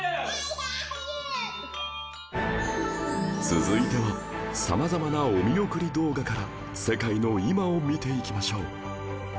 続いては様々なお見送り動画から世界の今を見ていきましょう